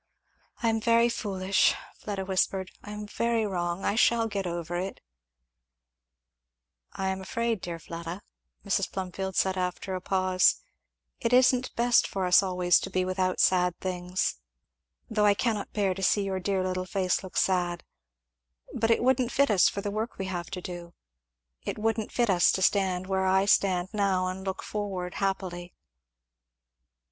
"I am very foolish " Fleda whispered, "I am very wrong I shall get over it " "I am afraid, dear Fleda," Mrs. Plumfield said after a pause, "it isn't best for us always to be without sad things though I cannot bear to see your dear little face look sad but it wouldn't fit us for the work we have to do it wouldn't fit us to stand where I stand now and look forward happily."